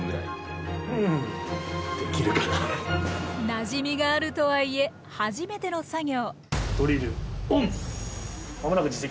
なじみがあるとはいえ初めての作業。